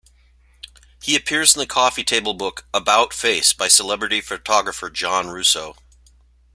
He appears in the coffee table book "About Face" by celebrity photographer John Russo.